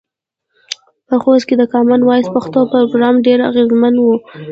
په خوست کې د کامن وایس پښتو پروګرام ډیر اغیزمن و.